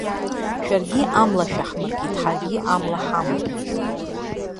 Шәаргьы амла шәаҳмыркит, ҳаргьы амла ҳамгеит.